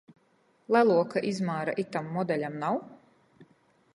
Leluoka izmāra itam modeļam nav?